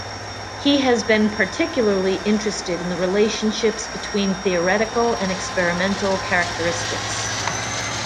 He has been particularly interested in the relationships between theoretical and experimental characteristics.